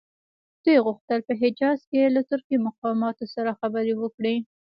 دوی غوښتل په حجاز کې له ترکي مقاماتو سره خبرې وکړي.